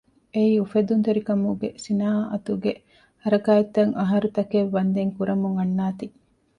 އެއީ އުފެއްދުންތެރކަމުގެ ސިނާއަތުގެ ހަރަކާތްތައް އަހަރުތަކެއް ވަންދެން ކުރަމުން އަންނާތީ